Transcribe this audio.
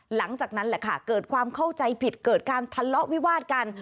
หลังจากนั้นแหละค่ะเกิดความเข้าใจผิดเกิดการทะเลาะวิวาดกัน